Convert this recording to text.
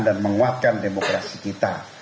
dan menguatkan demokrasi kita